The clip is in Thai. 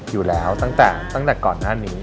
อยู่แล้วตั้งแต่ก่อนหน้านี้